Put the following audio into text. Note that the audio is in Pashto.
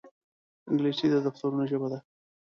انګلیسي د دفترونو ژبه ده